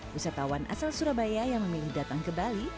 wisatawan asal surabaya yang memilih datang ke bali